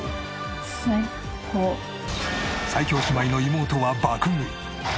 最強姉妹の妹は爆食い。